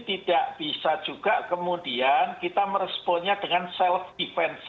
tidak bisa juga kemudian kita meresponnya dengan self defense